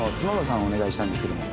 お願いしたいんですけども。